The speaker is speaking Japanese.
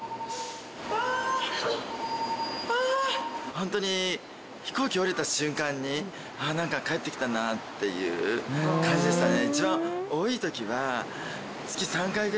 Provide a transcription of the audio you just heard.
ホントに飛行機降りた瞬間にあ何か帰ってきたなっていう感じでしたね。